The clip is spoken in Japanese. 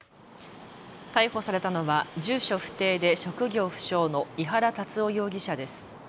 逮捕されたのは住所不定で職業不詳の井原龍夫容疑者です。